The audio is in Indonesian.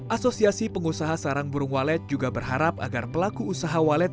asosiasi pengusaha sarang burung walet juga berharap agar pelaku usaha walet